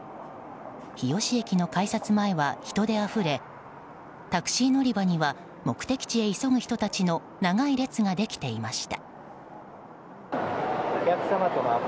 日吉駅の改札前は人であふれタクシー乗り場には目的地へ急ぐ人たちの長い列ができていました。